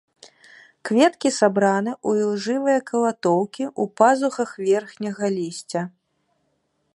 Кветкі сабраны ў ілжывыя калатоўкі ў пазухах верхняга лісця.